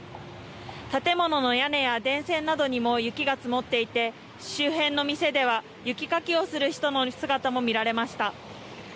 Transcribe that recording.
建物の屋根や電線などにも雪が積もっていて周辺の店では雪かきをする人の姿も見られました。